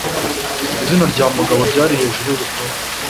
Izina rya Mugabo ryari hejuru yurutonde.